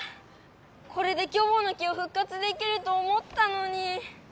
これでキョボの木を復活できると思ったのに！